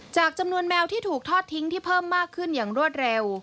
จากจำนวนแมวที่ถูกทอดทิ้งที่เพิ่มมากขึ้นอย่างรวดเร็ว